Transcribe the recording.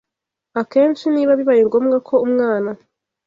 Akenshi niba bibaye ngombwa ko umwana